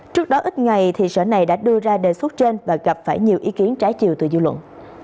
trước đó ít ngày thì sở này đã đưa ra đề xuất trên và gặp phải nhiều ý kiến trái chiều từ dư luận